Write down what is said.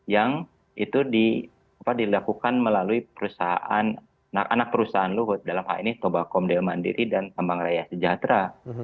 yang itu dilakukan melalui perusahaan anak perusahaan luhut dalam hal ini toba komdel mandiri dan tambang raya sejahtera